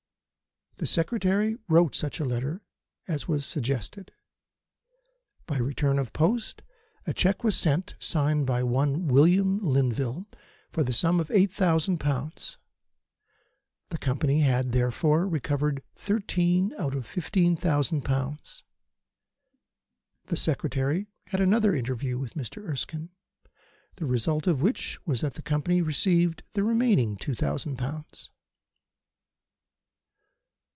The Secretary wrote such a letter as was suggested. By return of post a cheque was sent, signed by one William Linville, for the sum of eight thousand pounds. The Company had, therefore, recovered thirteen out of fifteen thousand pounds. The Secretary had another interview with Mr. Erskine, the result of which was that the Company recovered the remaining two thousand pounds.